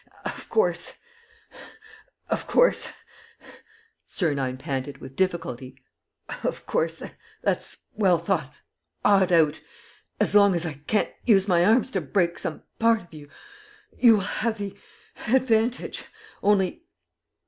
"Of course ... of course," Sernine panted, with difficulty, "of course ... that's well thought out. ... As long as I can't use my arms to break some part of you, you will have the advantage ... Only